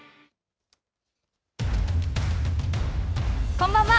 こんばんは。